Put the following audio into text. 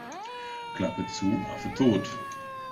Klappe zu, Affe tot.